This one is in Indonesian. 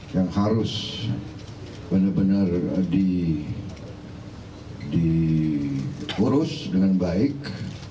yang harus benar benar diurus dengan baik